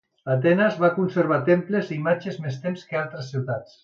Atenes va conservar temples i imatges més temps que altres ciutats.